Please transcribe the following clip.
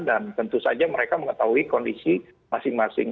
dan tentu saja mereka mengetahui kondisi masing masing